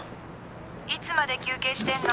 ☎いつまで休憩してんの？